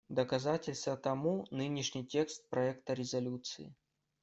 Доказательство тому — нынешний текст проекта резолюции.